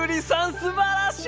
すばらしい！